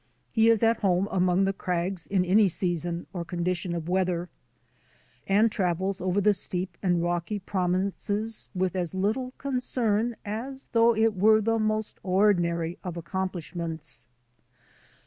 He is at home among the crags in any season or condition of weather, and travels over the steep and rocky prominences with as little concern as though it were the most ordinary of accomplish ments.